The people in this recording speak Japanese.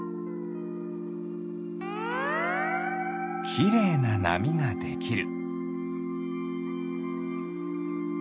きれいななみができる。